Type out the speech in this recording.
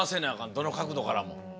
どの角度からも。